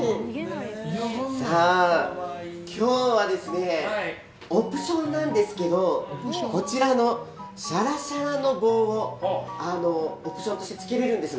今日はオプションなんですけどこちらのシャラシャラの棒をオプションとして付けれるんですが。